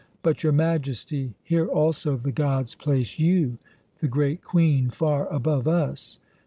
"But, your Majesty, here also the gods place you, the great Queen, far above us.